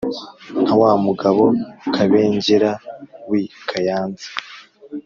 nka wa mugabo kabengera wi kaynza.